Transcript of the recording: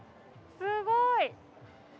すごい。